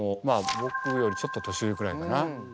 ぼくよりちょっと年上くらいかな？